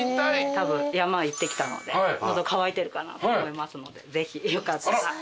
たぶん山行ってきたので喉渇いてるかなと思いますのでぜひよかったら。